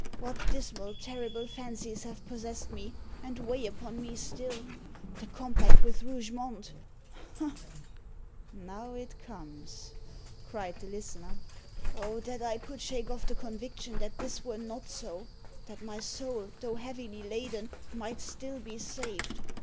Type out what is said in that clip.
What dismal, terrible fancies have possessed me, and weigh upon me still the compact with Rougemont ha!" "Now it comes," cried the listener. "Oh, that I could shake off the conviction that this were not so that my soul, though heavily laden, might still be saved!